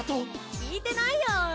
聞いてないよ。